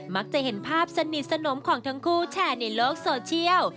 มักจะเห็นภาพสนิทสนมของทั้งคู่แชร์ในโลกโซเชียล